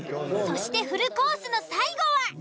そしてフルコースの最後は！